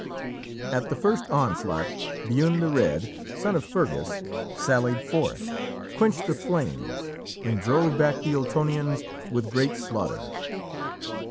At the first onslaught, Buinne the Red, son of Fergus, sallied forth, quenched the flames, and drove back the Ultonians with great slaughter.